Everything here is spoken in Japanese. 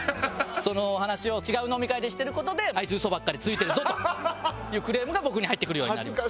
そのお話を違う飲み会でしてる事であいつ嘘ばっかりついてるぞというクレームが僕に入ってくるようになります。